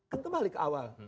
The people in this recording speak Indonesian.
kan kembali ke awal